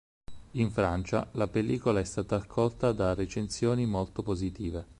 In Francia la pellicola è stata accolta da recensioni molto positive.